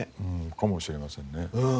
かもしれませんね。